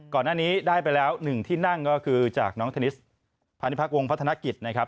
ก่อนหน้านี้ได้ไปแล้ว๑ที่นั่งก็คือจากน้องเทนนิสพาณิพักษวงพัฒนกิจนะครับ